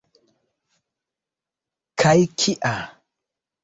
Kaj kia!